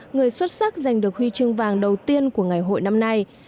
người xuất sắc giành được huy chương vàng đầu tiên của ngày hội năm nay